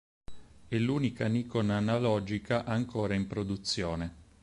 È l'unica Nikon analogica ancora in produzione.